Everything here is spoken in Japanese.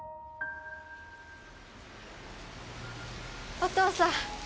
お父さん